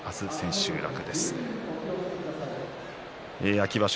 秋場所